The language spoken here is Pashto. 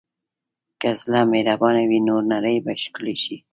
که زړه مهربان وي، نو نړۍ به ښکلې شي.